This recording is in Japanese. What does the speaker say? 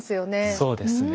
そうですね。